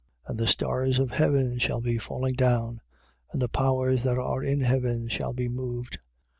13:25. And the stars of heaven shall be falling down and the powers that are in heaven shall be moved.